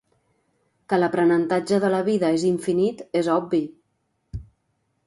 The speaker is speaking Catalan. Que l'aprenentatge de la vida és infinit és obvi.